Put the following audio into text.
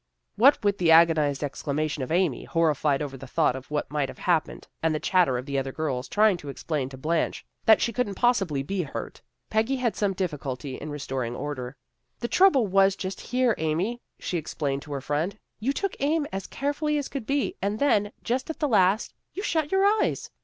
What with the agonized exclama tions of Amy, horrified over the thought of what might have happened, and the chatter of the other girls, trying to explain to Blanche that she couldn't possibly be hurt, Peggy had some difficulty in restoring order. " The trouble was just here, Amy," she ex plained to her friend. " You took aim as care fully as could be, and then, just at the last, you shut your eyes.